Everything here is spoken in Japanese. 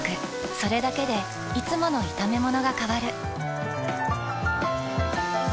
それだけでいつもの炒めものが変わる。